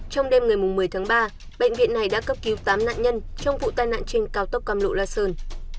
trong đêm ngày một mươi tháng ba bệnh viện này đã cấp cứu tám nạn nhân trong vụ tai nạn trên cao tốc cam lộ la sơn